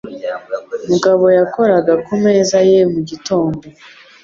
Mugabo yakoraga ku meza ye mu gitondo.